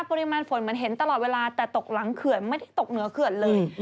ปริมาณฝนเหมือนเห็นตลอดเวลาแต่ตกหลังเขื่อนไม่ได้ตกเหนือเขื่อนเลย